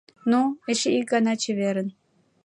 — Ну, эше ик гана чеверын!